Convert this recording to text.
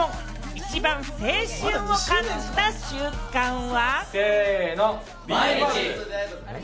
一番青春を感じた瞬間は？